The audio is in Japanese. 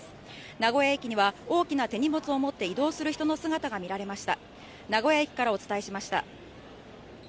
名古屋駅には大きな手荷物を持って移動する人の姿が見られました